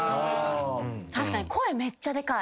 確かに声めっちゃでかい。